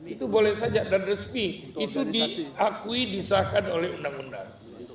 itu boleh saja dan resmi itu diakui disahkan oleh undang undang